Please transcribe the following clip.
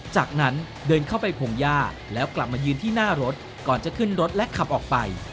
จากนั้นเดินเข้าไปพงหญ้าแล้วกลับมายืนที่หน้ารถก่อนจะขึ้นรถและขับออกไป